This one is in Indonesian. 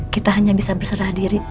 kita hanya bisa berserah diri